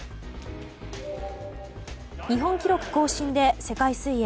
日本記録更新で世界水泳